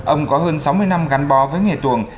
ông có hơn sáu mươi năm gắn bó với nghề tuồng